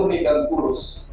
dan mulih dan purus